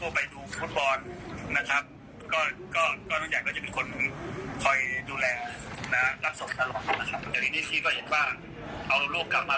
พี่ซิโก้ดูค่ะ